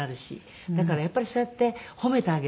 だからやっぱりそうやって褒めてあげる。